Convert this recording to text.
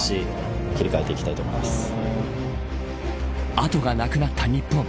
あとがなくなった日本。